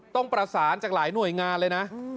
ต้องประสานจากหลายหน่วยงานเลยนะ